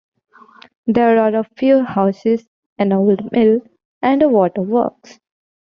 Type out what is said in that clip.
There are a few houses, an old mill and a water works.